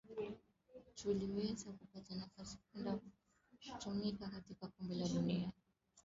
tuliweza kupata nafasi kwenda kuweza kutumika katika kombe la dunia